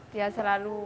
dia selalu baik